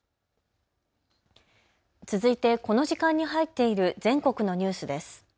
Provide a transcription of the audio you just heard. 続いてこの時間に入っている全国のニュースです。